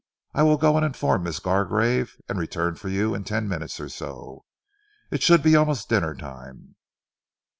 "I will go and inform Miss Gargrave, and return for you in ten minutes or so. It should be almost dinner time."